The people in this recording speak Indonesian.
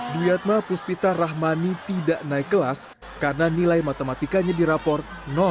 dwiatma puspita rahmani tidak naik kelas karena nilai matematikanya diraport